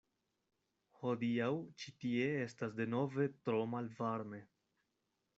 Hodiaŭ ĉi tie estas denove tro malvarme.